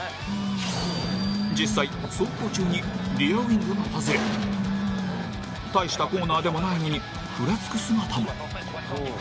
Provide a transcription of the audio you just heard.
実際、走行中にリアウィングが外れ大したコーナーでもないのにふらつく姿も。